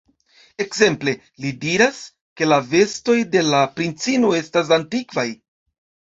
Ekzemple, li diras, ke la vestoj de la princino estas antikvaj.